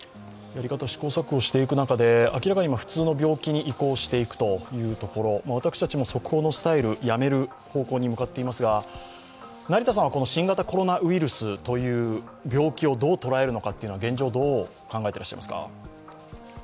やり方、試行錯誤していく中で明らかに普通の病気に移行していくというところ、私たちも速報のスタイル、やめる方向に向かっていますが、新型コロナウイルスという病気をどう捉えるのか、現状、どう考えてらっしゃいますか？